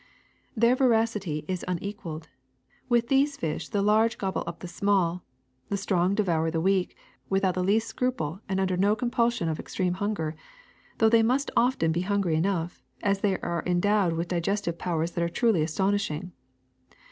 *' Their voracity is unequaled. With these fish the large gobble up the small, the strong devour the weak, without the least scruple and under no compul sion of extreme hunger, though they must often be hungry enough, as they are endowed with digestive powers that are truly astonishing.